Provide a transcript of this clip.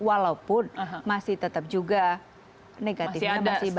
walaupun masih tetap juga negatifnya masih baik